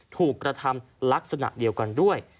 ถูกกระทำลักษณะเดียวกันด้วย